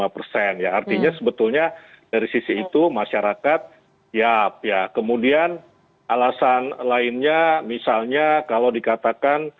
lima persen ya artinya sebetulnya dari sisi itu masyarakat yap ya kemudian alasan lainnya misalnya kalau dikatakan